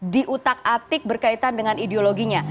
diutak atik berkaitan dengan ideologinya